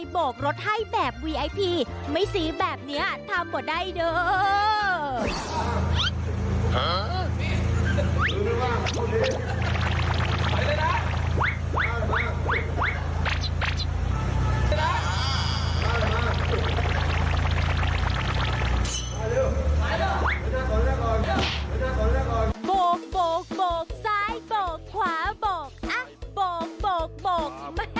โบกซ้ายโบกขวาโบกบก